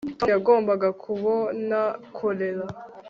tom yagombaga kubona kolera